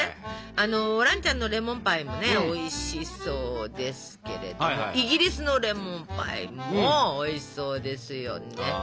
あの蘭ちゃんのレモンパイもねおいしそうですけれどイギリスのレモンパイもおいしそうですよね。